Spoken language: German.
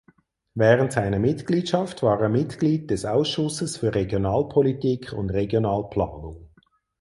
Während seiner Mitgliedschaft war er Mitglied des Ausschusses für Regionalpolitik und Regionalplanung.